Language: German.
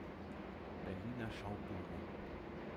Berliner Schaubühne